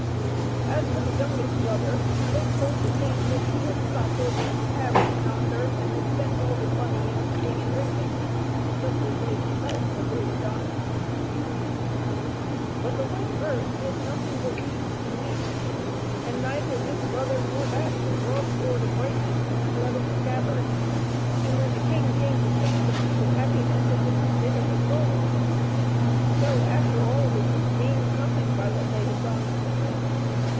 As for the youngest brother, they told the king that he had stopped over at the tavern yonder, and had spent all his money in eating and drinking, just as they themselves had really done. garbf nsate anb onip ont bnotoet^ ^ tm * I20 THE WHITE BIRD. But the White Bird did nothing but weep and weep, and neither this brother nor that could draw the Sword of Brightness from its leathern scabbard. And when the king came to taste the Fruit of Happiness, it was as bitter as gall. So, after all, the two gained nothing by what they had done.